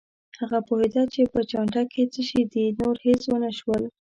هغه پوهېده چې په چانټه کې څه شي دي، نور هېڅ ونه شول.